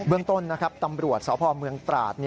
เรื่องต้นนะครับตำรวจสพเมืองตราด